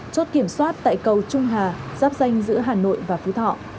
chốt kiểm soát tại cầu trung hà giáp danh giữa hà nội và phú thọ